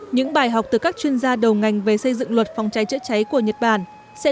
những bài học từ các chuyên gia đầu ngành về xây dựng luật phòng cháy chữa cháy của nhật bản sẽ